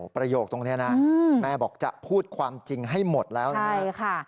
ประโยคตรงนี้นะแม่บอกจะพูดความจริงให้หมดแล้วนะครับใช่ค่ะ